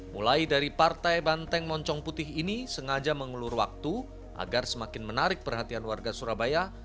mulai dari partai banteng moncong putih ini sengaja mengelur waktu agar semakin menarik perhatian warga surabaya